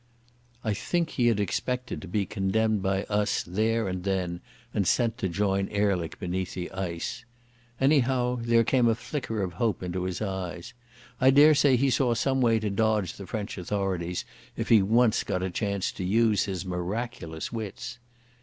I think he had expected to be condemned by us there and then and sent to join Ehrlich beneath the ice. Anyhow, there came a flicker of hope into his eyes. I daresay he saw some way to dodge the French authorities if he once got a chance to use his miraculous wits.